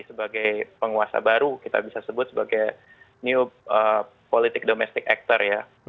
sebagai penguasa baru kita bisa sebut sebagai new politik domestic actor ya